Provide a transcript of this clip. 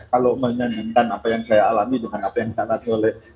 kalau menyandingkan apa yang saya alami dengan apa yang ditaati oleh